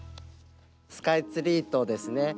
スカイツリーとですね